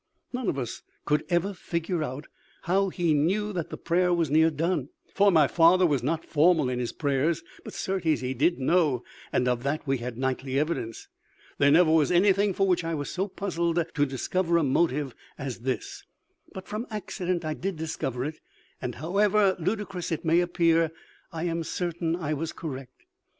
None of us ever could find out how he knew that the prayer was near done, for my father was not formal in his prayers; but certes he did know, and of that we had nightly evidence. There never was anything for which I was so puzzled to discover a motive as this, but from accident I did discover it; and, however ludicrous it may appear, I am certain I was correct.